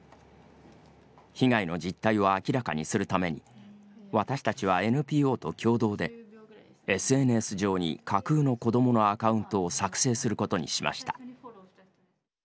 被害の実態を明らかにするために私たちはＮＰＯと共同でＳＮＳ上に架空の子どものアカウントを作成することにしました。